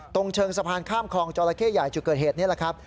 ตรงเชิงสะพานข้ามคลองจอละเข้ใหญ่จุดเกิดเหตุนี่แหละครับ